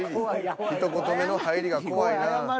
ひと言目の入りが怖いな。